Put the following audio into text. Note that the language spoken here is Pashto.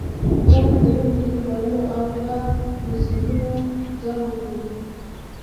غواړي په یو میلیون ډالرو او دوه کروزینګونو ځان وپلوري.